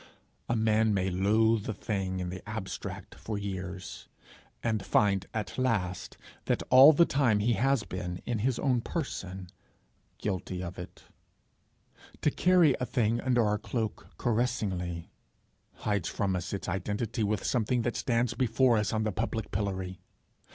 A man may loathe a thing in the abstract for years, and find at last that all the time he has been, in his own person, guilty of it. To carry a thing under our cloak caressingly, hides from us its identity with something that stands before us on the public pillory.